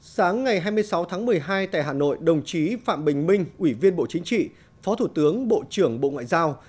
sáng ngày hai mươi sáu tháng một mươi hai tại hà nội đồng chí phạm bình minh ủy viên bộ chính trị phó thủ tướng bộ trưởng bộ ngoại giao